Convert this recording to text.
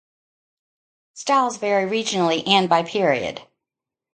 Styles vary regionally and by period.